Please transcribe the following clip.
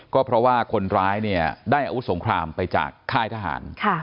ก็เพราะว่าคนร้ายเนี่ยได้อาวุธสงครามไปจากค่ายทหาร